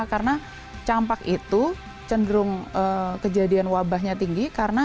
karena campak itu cenderung kejadian wabahnya tinggi